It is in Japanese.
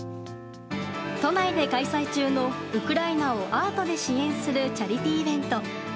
都内で開催中のウクライナをアートで支援するチャリティーイベント。